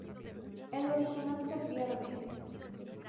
El original se pierde.